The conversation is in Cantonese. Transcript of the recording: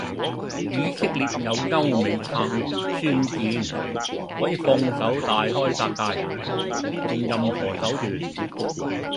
以色列有歐美撐宣戰,可以放手大開殺界，用任何手段。